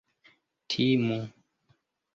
timu